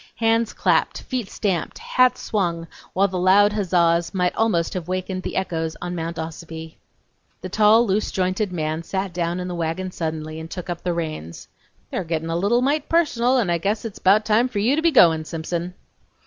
Hands clapped, feet stamped, hats swung, while the loud huzzahs might almost have wakened the echoes on old Mount Ossipee. The tall, loose jointed man sat down in the wagon suddenly and took up the reins. "They're gettin' a little mite personal, and I guess it's bout time for you to be goin', Simpson!"